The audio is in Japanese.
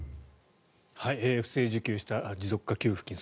不正受給した持続化給付金。